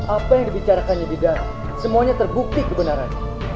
apa yang dibicarakannya di dalam semuanya terbukti kebenarannya